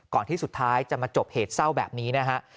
ที่สุดท้ายจะมาจบเหตุเศร้าแบบนี้นะฮะ